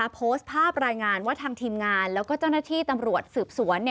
โพสต์ภาพรายงานว่าทางทีมงานแล้วก็เจ้าหน้าที่ตำรวจสืบสวน